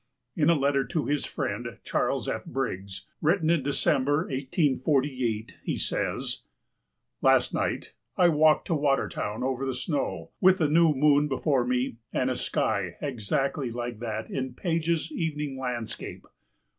In a letter to his friend Charles F. Briggs, written in December, 1848, he says: "Last night ... I walked to Watertown over the snow, with the new moon before me and a sky exactly like that in Page's evening landscape.